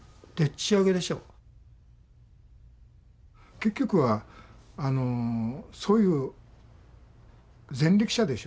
結局はそういう前歴者でしょ。